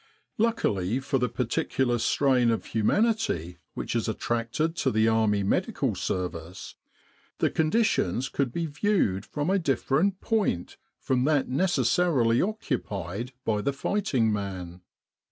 Luckily for the particular strain of humanity which is attracted to the Army Medical Service, the conditions could be viewed from a different point from that necessarily occupied by the righting man.